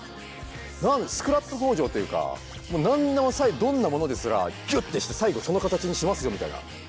スクラップ工場っていうか何でもどんなものですらギュッてして最後その形にしますよみたいな。